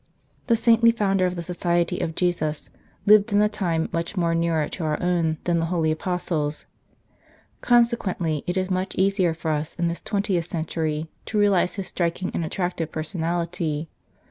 The saintly founder of the Society of Jesus lived in a time much nearer to our own than the Holy Apostles ; consequently it is much easier for us in this twentieth century to realize his striking and attractive personality.